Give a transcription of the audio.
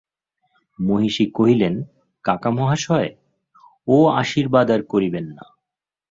মহিষী কহিলেন, কাকামহাশয়, ও আশীর্বাদ আর করিবেন না।